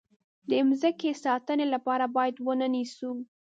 د مځکې د ساتنې لپاره باید ونه نیسو.